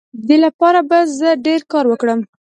د دې لپاره به زه ډیر کار وکړم.